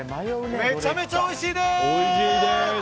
めちぇめちゃおいしいでーす！